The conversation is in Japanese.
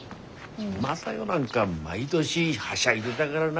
雅代なんか毎年はしゃいでだからな。